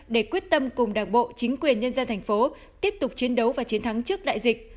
để quyết tâm cùng đảng bộ chính quyền nhân dân thành phố tiếp tục chiến đấu và chiến thắng trước đại dịch